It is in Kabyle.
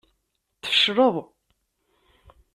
Tfecleḍ.